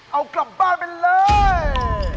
เอากลับบ้านไปเลย